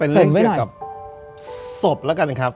เรื่องเกี่ยวกับศพแล้วกันครับ